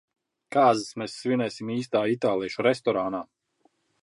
Kāzas mēs svinēsim īstā itāliešu restorānā.